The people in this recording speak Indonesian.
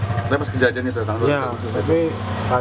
tapi pas kejadian itu tanggal